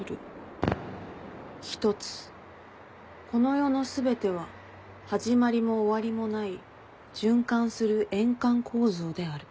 「一、この世の全ては始まりも終わりもない循環する円環構造である」